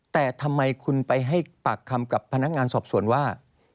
แต่ทำไมคุณไปให้ปากคำกับพนักงานสอบสวนว่า